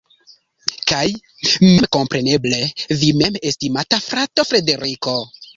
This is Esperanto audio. Kaj memkompreneble vi mem, estimata frato Frederiko.